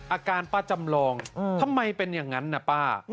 อาการป้าจำลองทำไมเป็นอย่างนั้นนะป้า